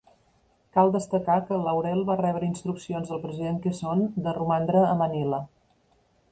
Cal destacar que Laurel va rebre instruccions del president Quezon de romandre a Manila.